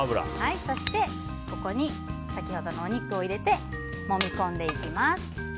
そして、ここに先ほどのお肉を入れてもみ込んでいきます。